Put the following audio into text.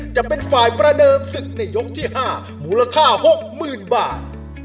จะเป็นฝ่ายประเดิมศึกในยกที่๕มูลค่า๖๐๐๐บาท